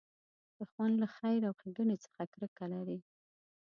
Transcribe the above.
دښمن له خیر او ښېګڼې څخه کرکه لري